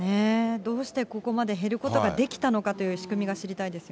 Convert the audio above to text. どうしてここまで減ることができたのかという仕組みが知りたいですね。